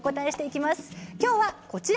きょうは、こちら。